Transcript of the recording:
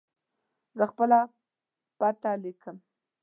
زه خپله پته لیکم.